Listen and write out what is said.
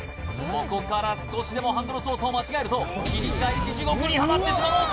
ここから少しでもハンドル操作を間違えると切り返し地獄にハマってしまう